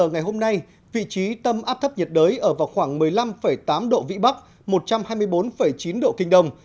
nhiệt đới ở vào khoảng một mươi năm tám độ vĩ bắc một trăm hai mươi bốn chín độ kinh đông